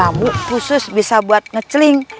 bambu khusus bisa buat ngeceling